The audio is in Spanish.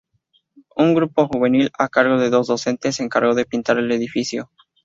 Un grupo juvenil, a cargo de dos docentes, se encargó de pintar el edificio.